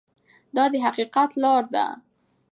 دا د حقیقت لاره ده.